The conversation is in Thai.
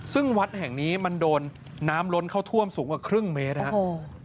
ซึ่งวัดแห่งนี้มันโดนน้ำล้นเข้าท่วมสูงกว่าครึ่งเมตรครับ